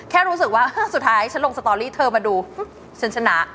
แค่รู้สึกว่าสุดท้ายฉันลงสตอรี่เธอมาดูฉันชนะ